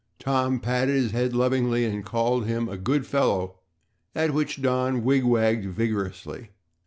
Tom patted his head lovingly and called him a "good fellow" at which Don wig wagged vigorously.